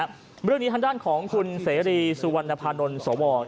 เรื่องนี้ทางด้านของคุณเสรีสุวรรณภานนท์สว